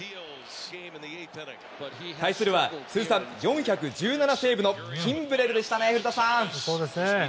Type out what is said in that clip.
対するは通算４１７セーブのキンブレルでしたね古田さん。